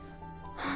ああ。